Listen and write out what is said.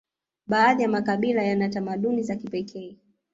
baadhi ya makabila yana tamaduni za kipekee